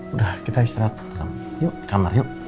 udah kita istirahat yuk kamar yuk